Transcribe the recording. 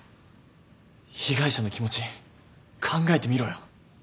被害者の気持ち考えてみろよ。